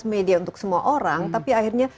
media untuk semua orang tapi akhirnya